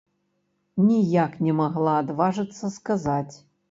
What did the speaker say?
Ніяк не магла адважыцца сказаць.